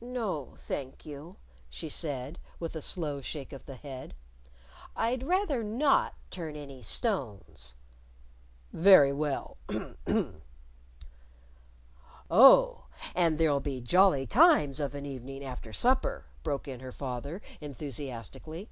"No, thank you," she said, with a slow shake of the head, "I'd rather not turn any stones." "Very well hm! hm!" "Oh, and there'll be jolly times of an evening after supper," broke in her father, enthusiastically.